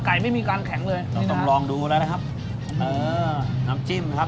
ไม่มีการแข็งเลยต้องลองดูแล้วนะครับเออน้ำจิ้มครับ